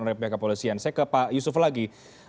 oleh pihak kepolisian saya ke pak yusuf lagi